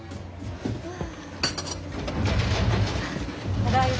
ただいま。